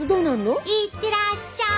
行ってらっしゃい！